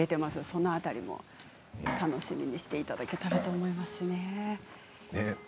その辺りもお楽しみにしていただければと思います。